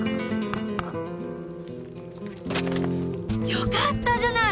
よかったじゃない。